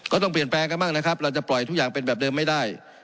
ก็ต้องเปลี่ยนแปลงกันบ้างนะครับเราจะปล่อยทุกอย่างเป็นแบบเดิมไม่ได้